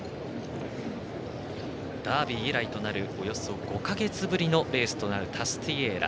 ダービー以来となるおよそ５か月ぶりのレースとなるタスティエーラ。